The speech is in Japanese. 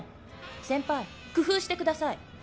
先輩工夫してください。